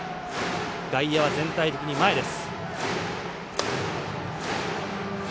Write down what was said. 外野は全体的に前です。